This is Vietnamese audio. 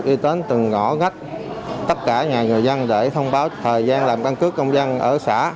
y tế từng ngõ gách tất cả nhà người dân để thông báo thời gian làm căn cước công dân ở xã